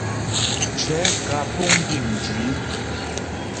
Cɛ̌ kǎ puŋ bí mjwǐ.